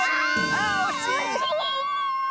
あっおしい！